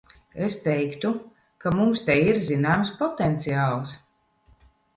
Es teiktu, ka mums te ir zināms potenciāls.